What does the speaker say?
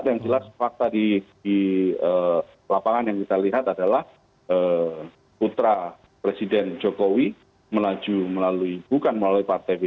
dan jelas fakta di lapangan yang kita lihat adalah putra presiden jokowi melalui bukan melalui partai bdip